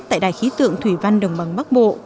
tại đài khí tượng thủy văn đồng bằng bắc bộ